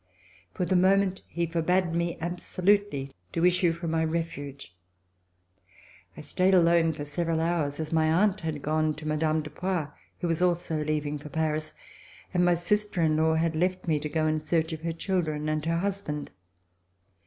For the moment he forbade me absolutely to issue from my refuge. I remained alone for several hours, as my aunt had gone to Mme. de Poix, who was also leaving for Paris, and my sister in law had left me to go in search of her children and her husband.